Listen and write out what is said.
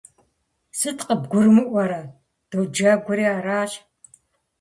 Сыту къыбгурымыӀуэрэ? Доджэгури аращ!